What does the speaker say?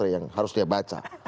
yang harus dia baca